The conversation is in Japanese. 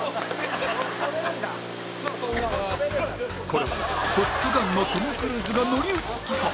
これは『トップガン』のトム・クルーズが乗り移ったか？